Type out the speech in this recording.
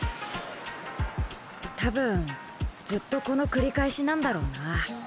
たぶんずっとこの繰り返しなんだろうな。